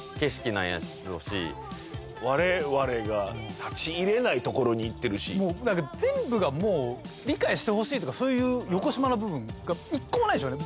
なんやろうしところに行ってるしもう何か全部がもう理解してほしいとかそういうよこしまな部分が一個もないでしょうね